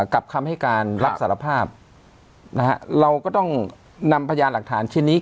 กรับคำให้การรักสารภาพนะฮะเราก็ต้องนำพญานหลักฐานชนิก